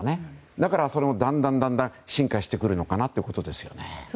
だから、だんだん進化してくるのかなというところですね。